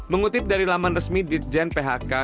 mengutip dari laman resmi ditjen phk ke